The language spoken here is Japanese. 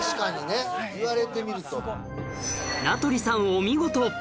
お見事！